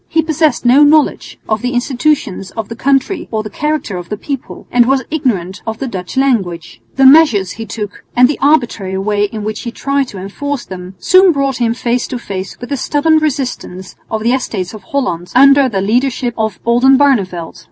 He possessed no knowledge of the institutions of the country or the character of the people, and was ignorant of the Dutch language. The measures he took and the arbitrary way in which he tried to enforce them, soon brought him face to face with the stubborn resistance of the Estates of Holland under the leadership of Oldenbarneveldt.